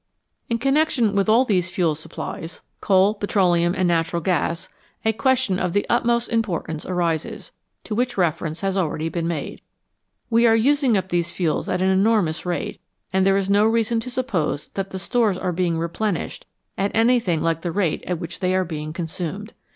In connection with all these fuel supplies coal, 137 NATURE'S STORES OF FUEL petroleum, and natural gas a question of the utmost importance arises, to which reference has already been made. We are using up these fuels at an enormous rate, and there is no reason to suppose that the stores are being replenished at anything like the rate at which they are being consumed.